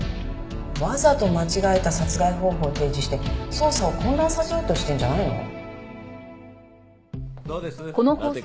わざと間違えた殺害方法提示して捜査を混乱させようとしてるんじゃないの？